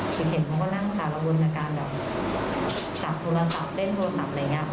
คือเห็นเขาก็นั่งสารวนอาการแบบจับโทรศัพท์เล่นโทรศัพท์อะไรอย่างนี้